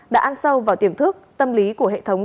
đã ăn sâu vào tiềm thức tâm lý của hệ thống